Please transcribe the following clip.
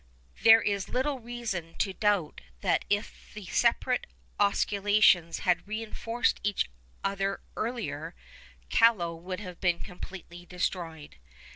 There is little reason to doubt that if the separate oscillations had reinforced each other earlier, Callao would have been completely destroyed.